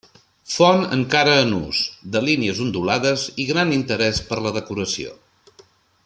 Font encara en ús, de línies ondulades i gran interès per la decoració.